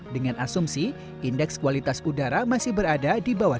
dengan asumsi indeks kualitas udara masih berada di bawah